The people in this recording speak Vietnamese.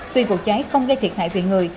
tuy vụ cháy không gây thiệt hại về người